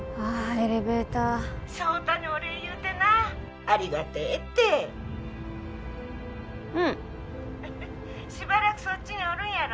エレベーター☎翔太にお礼言うてなありがてえってうん☎しばらくそっちにおるんやろ？